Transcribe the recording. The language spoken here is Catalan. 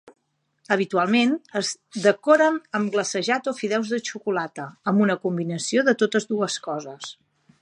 Habitualment, es decoren amb glacejat o fideus de xocolata, o una combinació de totes dues coses.